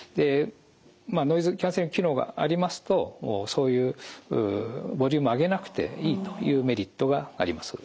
まあノイズキャンセリング機能がありますとそういうボリュームを上げなくていいというメリットがあります。